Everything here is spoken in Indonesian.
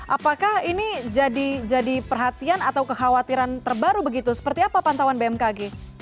apakah ini jadi perhatian atau kekhawatiran terbaru begitu seperti apa pantauan bmkg